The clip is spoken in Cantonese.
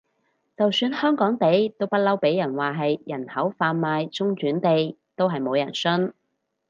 就算香港地都不嬲畀人話係人口販賣中轉地，都係冇人信